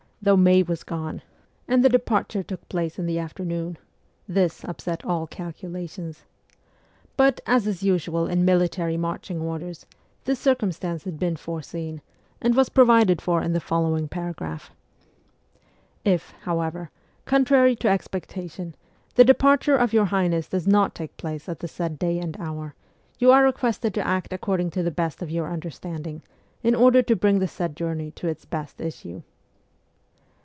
though May was gone, and the 48 MEMOIRS OF A REVOLUTIONIST departure took place in the afternoon : this upset all calculations. But, as is usual in military marching orders, this circumstance had been foreseen, and was provided for in the following paragraph :' If, however, contrary to expectation, the depar ture of your highness does not take place at the said day and hour, you are requested to act according to the best of your understanding, in order to bring the said journey to its best issue.'